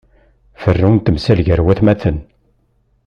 Ferru n temsal gar watmaten.